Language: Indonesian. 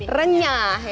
harus gini supaya hasilnya